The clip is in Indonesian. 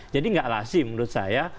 jadi nggak alasi menurut saya